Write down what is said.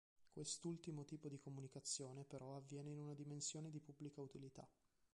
Quest'ultimo tipo di comunicazione però avviene in una dimensione di pubblica utilità.